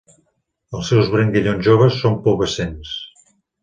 Els seus branquillons joves són pubescents.